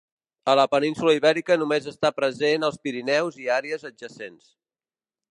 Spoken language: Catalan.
A la península Ibèrica només està present als Pirineus i àrees adjacents.